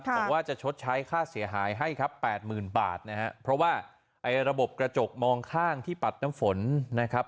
บอกว่าจะชดใช้ค่าเสียหายให้ครับแปดหมื่นบาทนะฮะเพราะว่าไอ้ระบบกระจกมองข้างที่ปัดน้ำฝนนะครับ